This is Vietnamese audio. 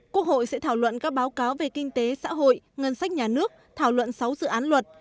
quốc hội sẽ thảo luận các báo cáo về kinh tế xã hội ngân sách nhà nước thảo luận sáu dự án luật